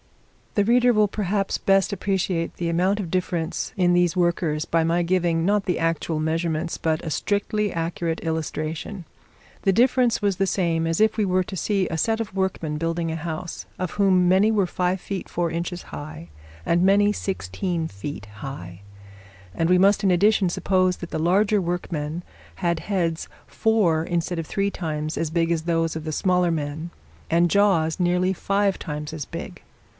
The reader will perhaps best appreciate the amount of difference in these workers by my giving, not the actual measurements, but a strictly accurate illustration: the difference was the same as if we were to see a set of workmen building a house, of whom many were five feet four inches high, and many sixteen feet high; but we must in addition suppose that the larger workmen had heads four instead of three times as big as those of the smaller men, and jaws nearly five times as big.